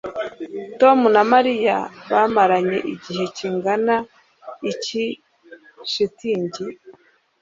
Tom na Mariya bamaranye igihe kingana iki shitingi